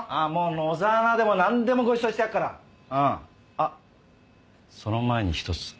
あっその前に１つ。